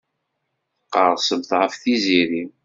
Tqerrsemt ɣef Tiziri.